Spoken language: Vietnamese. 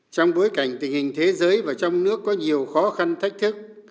trong bối cảnh tình hình thế giới và trong nước có nhiều khó khăn thách thức